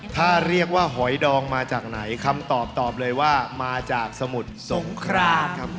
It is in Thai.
ถ้าเรียกว่าหอยดองมาจากไหนคำตอบตอบเลยว่ามาจากสมุทรสงครามครับ